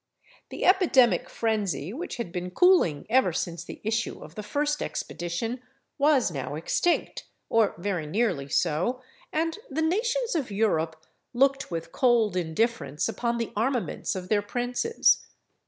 The epidemic frenzy, which had been cooling ever since the issue of the first expedition, was now extinct, or very nearly so, and the nations of Europe looked with cold indifference upon the armaments of their princes.